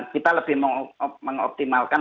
kita lebih mengoptimalkan